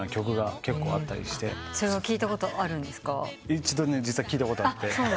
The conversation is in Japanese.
一度実は聞いたことあって。